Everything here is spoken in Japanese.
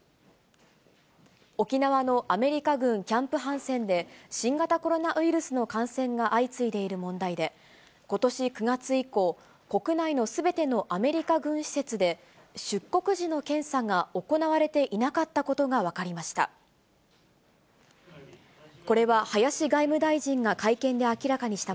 沖縄のアメリカ軍キャンプ・ハンセンで、新型コロナウイルスの感染が相次いでいる問題で、ことし９月以降、国内のすべてのアメリカ軍施設で、出国時の検査が行われていなかったことが分かりました。